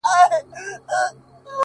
د پریان لوري _ د هرات او ګندارا لوري _